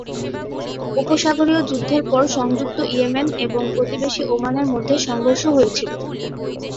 উপসাগরীয় যুদ্ধের পর সংযুক্ত ইয়েমেন এবং প্রতিবেশী ওমানের মধ্যে সংঘর্ষ হয়েছিল।